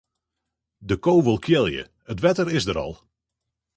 De ko wol kealje, it wetter is der al.